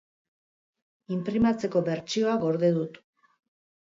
Inprimatzeko bertsioa gorde dut.